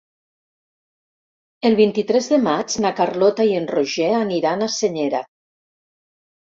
El vint-i-tres de maig na Carlota i en Roger aniran a Senyera.